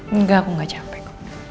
enggak aku gak capek kok